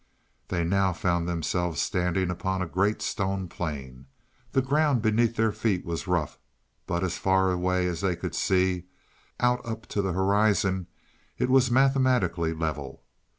They now found themselves standing upon a great stone plain. The ground beneath their feet was rough, but as far away as they could see, out up to the horizon, it was mathematically level.